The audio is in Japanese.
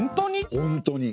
本当に。